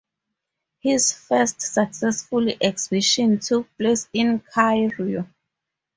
His first successful exhibition took place in Cairo.